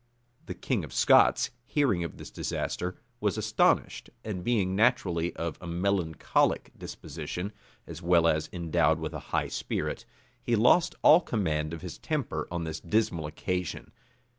The king of Scots, hearing of this disaster, was astonished; and being naturally of a melancholic disposition, as well as endowed with a high spirit, he lost all command of his temper on this dismal occasion.